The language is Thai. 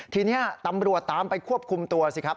ทีนี้ตำรวจตามไปควบคุมตัวสิครับ